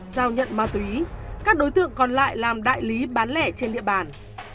giao nhận ma túy các đối tượng còn lại làm đại lý bán lẻ trên địa bàn